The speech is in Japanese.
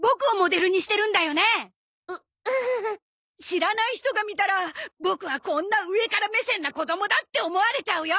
知らない人が見たらボクはこんな上から目線な子供だって思われちゃうよ！